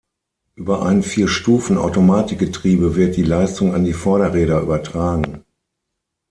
Über ein Vierstufen-Automatikgetriebe wird die Leistung an die Vorderräder übertragen.